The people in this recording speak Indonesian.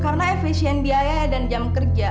karena efesien biaya dan jam kerja